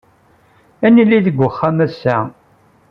Ad nili deg uxxam ass-a.